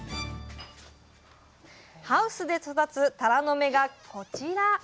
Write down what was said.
ハウスで育つタラの芽がこちら！